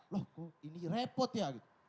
loh kok ini repot ya gitu